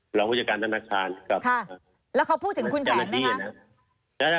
คุณลองผู้จัดการธนาคารแล้วเขาพูดถึงคุณแผนไหมคะ